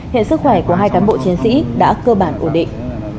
hiện sức khỏe của hai cán bộ chiến sĩ đã cơ bản ổn định